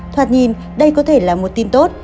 thoạt nhìn đây có thể là một tin tốt